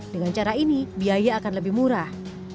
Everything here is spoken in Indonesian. dengan cara ini biaya akan lebih murah